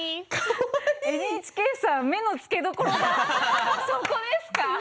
ＮＨＫさん目の付けどころがそこですか？